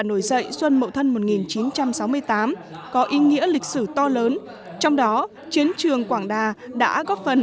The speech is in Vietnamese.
nổi dậy xuân mậu thân một nghìn chín trăm sáu mươi tám có ý nghĩa lịch sử to lớn trong đó chiến trường quảng đà đã góp phần